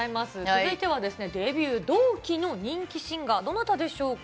続いてはデビュー同期の人気シンガー、どなたでしょうか。